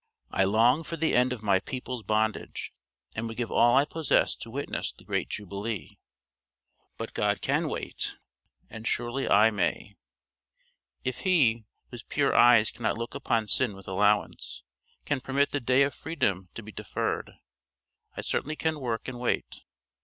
I long for the end of my people's bondage, and would give all I possess to witness the great jubilee; but God can wait, and surely I may. If He, whose pure eyes cannot look upon sin with allowance, can permit the day of freedom to be deferred, I certainly can work and wait.